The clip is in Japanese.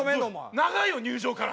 長いよ入場から。